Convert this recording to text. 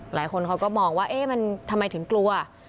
หลายคนเขาก็มองว่าเอ๊ะมันทำไมถึงกลัว